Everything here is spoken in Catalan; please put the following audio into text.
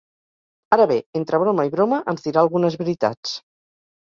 Ara bé, entre broma i broma ens dirà algunes veritats.